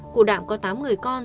cụ đạm có tám người con